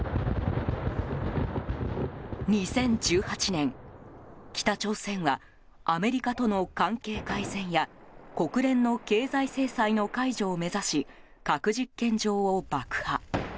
２０１８年、北朝鮮はアメリカとの関係改善や国連の経済制裁の解除を目指し核実験場を爆破。